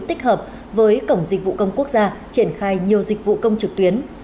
tích hợp với cổng dịch vụ công quốc gia triển khai nhiều dịch vụ công trực tuyến